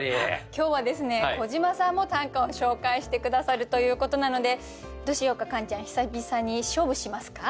今日はですね小島さんも短歌を紹介して下さるということなのでどうしようかカンちゃん久々に勝負しますか？